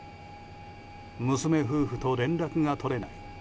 娘夫婦と連絡が取れない。